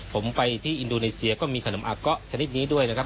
ผมไปที่อินโดนีเซียก็มีขนมอาเกาะชนิดนี้ด้วยนะครับ